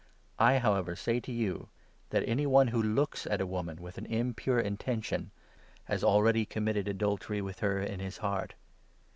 I, however, say to you that any one who looks at a woman with an impure intention has already committed adultery with her in his heart.